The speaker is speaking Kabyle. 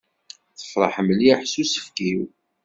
Tefreḥ mliḥ s usefk-iw.